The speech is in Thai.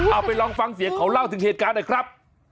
เอาไปลองฟังเสียงเขาเล่าถึงเหตุการณ์หน่อยครับ